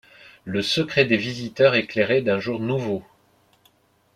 Le secret des visiteurs est éclairé d’un jour nouveau.